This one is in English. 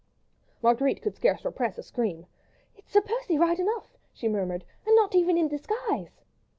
Marguerite could scarce repress a scream. "It's Sir Percy right enough," she murmured, "and not even in disguise!"